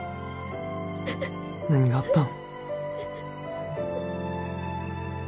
何があったん？